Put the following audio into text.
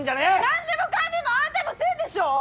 何でもかんでもあんたのせいでしょう！